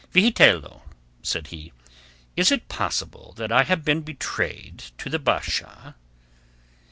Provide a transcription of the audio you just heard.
"Vigitello," said he, "is it possible that I have been betrayed to the Basha?"